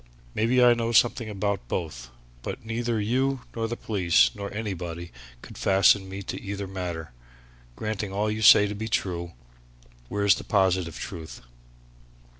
"Maybe I know something about both, but neither you nor the police nor anybody could fasten me to either matter! Granting all you say to be true, where's the positive truth?"